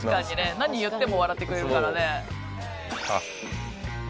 何言っても笑ってくれるからね。